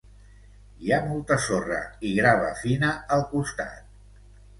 Hi ha molta sorra i grava fina al costat.